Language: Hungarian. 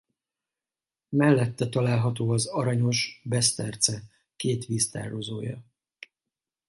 Mellette található az Aranyos-Beszterce két víztározója.